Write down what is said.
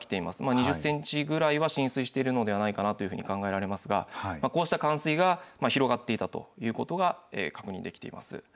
２０センチぐらいは浸水しているのではないかなというふうに考えられますが、こうした冠水が広がっていたということが確認できています。